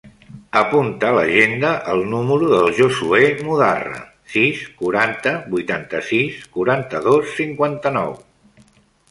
Apunta a l'agenda el número del Josuè Mudarra: sis, quaranta, vuitanta-sis, quaranta-dos, cinquanta-nou.